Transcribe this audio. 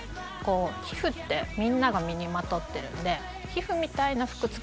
皮膚ってみんなが身にまとってるので。